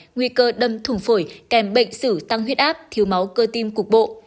nguy cơ đâm thùng phổi kèm bệnh sử tăng huyết áp thiếu máu cơ tim cục bộ